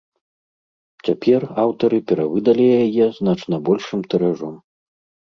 Цяпер аўтары перавыдалі яе значна большым тыражом.